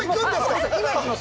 今行きます。